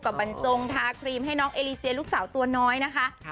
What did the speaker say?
บรรจงทาครีมให้น้องเอเลเซียลูกสาวตัวน้อยนะคะ